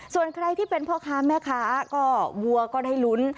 ส่วนใครที่เป็นพ่อค้าแม่ค้าก็วัวก็ได้ลุ้น